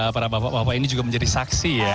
para bapak bapak ini juga menjadi saksi ya